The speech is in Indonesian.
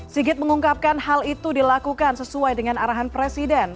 sigit mengungkapkan hal itu dilakukan sesuai dengan arahan presiden